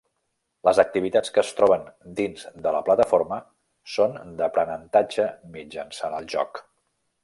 Les activitats que es troben dins de la plataforma són d’aprenentatge mitjançant el joc.